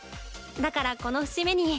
だからこの節目に。